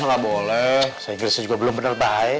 sosok bahasa inggris juga belum bener baik